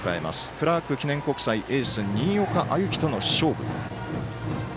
クラーク記念国際はエースの新岡歩輝との勝負。